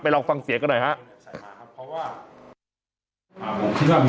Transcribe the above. ไปลองฟังเสียกันหน่อยครับ